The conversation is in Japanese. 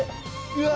うわ！